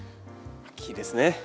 秋ですね。